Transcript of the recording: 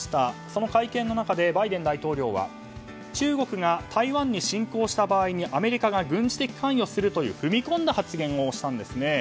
その会見の中でバイデン大統領は中国が台湾に侵攻した場合にアメリカが軍事的関与するという踏み込んだ発言をしたんですね。